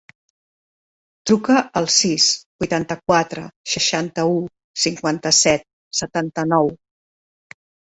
Truca al sis, vuitanta-quatre, seixanta-u, cinquanta-set, setanta-nou.